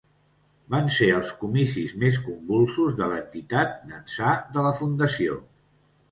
Van ser els comicis més convulsos de l’entitat d’ençà de la fundació.